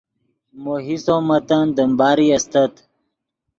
مو حصو متن دیم باری استت